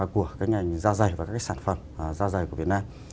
của cái ngành da dày và các cái sản phẩm da dày của việt nam